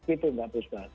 itu enggak bisa